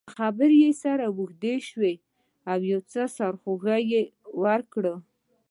خبرې یې سره اوږدې شوې او یو څه سرخوږی یې ورکړ.